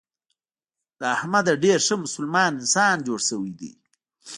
له احمد نه ډېر ښه مسلمان انسان جوړ شوی دی.